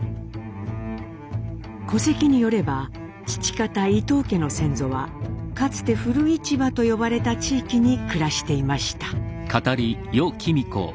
戸籍によれば父方伊藤家の先祖はかつて古市場と呼ばれた地域に暮らしていました。